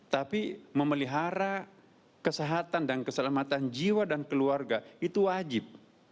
tapi memelihara kesehatan dan keselamatan jiwa dan keluarga itu wajib